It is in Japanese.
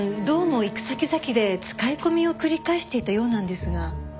どうも行く先々で使い込みを繰り返していたようなんですが。